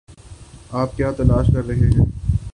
آپ کیا تلاش کر رہے ہیں؟